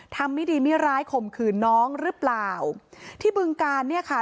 ไม่ดีไม่ร้ายข่มขืนน้องหรือเปล่าที่บึงการเนี่ยค่ะ